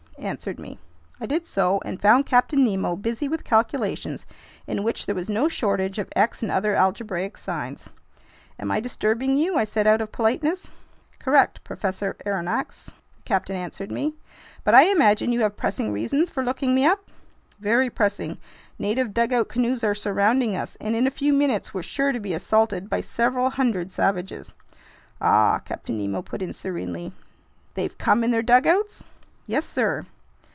answered me. I did so and found Captain Nemo busy with calculations in which there was no shortage of X and other algebraic signs. "Am I disturbing you?" I said out of politeness. "Correct, Professor Aronnax," the captain answered me. "But I imagine you have pressing reasons for looking me up?" "Very pressing. Native dugout canoes are surrounding us, and in a few minutes we're sure to be assaulted by several hundred savages." "Ah!" Captain Nemo put in serenely. "They've come in their dugouts?" "Yes, sir."